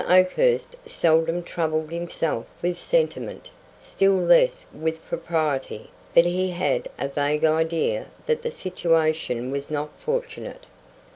Oakhurst seldom troubled himself with sentiment, still less with propriety; but he had a vague idea that the situation was not fortunate.